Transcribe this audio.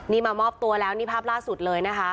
นี่มามอบตัวแล้วนี่ภาพล่าสุดเลยนะคะ